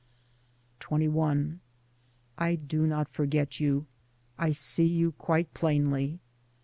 XXI I do not forget you. I see you quite plainly.